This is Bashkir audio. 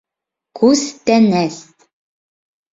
КҮСТӘНӘС